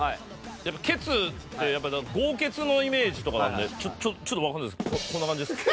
やっぱ「けつ」って豪傑のイメージとかなのでちょっとわかんないですけどこんな感じです。